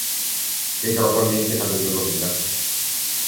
È gradualmente caduto in rovina.